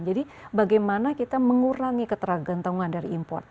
jadi bagaimana kita mengurangi keteragentungan dari import